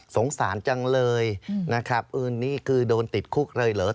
สงสารจังเลยดิฉันโดนติดคุกยังไง